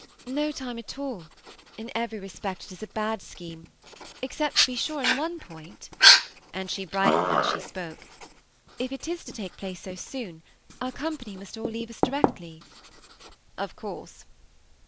"No time at all. In every respect it is a bad scheme, except, to be sure, in one point," — and she brightened as she spoke. " If it is to take j^lace so soon, our <^Rm pany must ail leave us directly.^ « Of course."